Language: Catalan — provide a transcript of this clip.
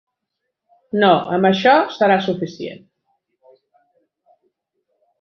No, amb això serà suficient.